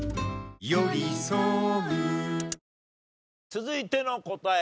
続いての答え